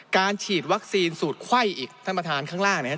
ฉีดวัคซีนสูตรไข้อีกท่านประธานข้างล่างนะครับ